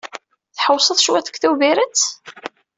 Tḥewwseḍ cwiṭ deg Tubirett?